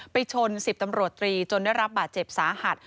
ไปชน๑๐ตำรวจตรีจนได้รับบาดเจ็บสาหัส